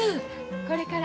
これから。